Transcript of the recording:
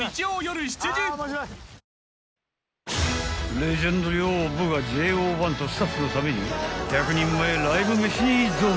［レジェンド寮母がＪＯ１とスタッフのために１００人前ライブ飯に挑む］